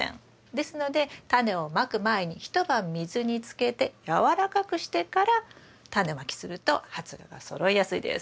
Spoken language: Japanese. ですのでタネをまく前に一晩水につけて軟らかくしてからタネまきすると発芽がそろいやすいです。